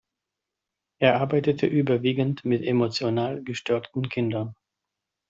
Er arbeitete überwiegend mit emotional gestörten Kindern.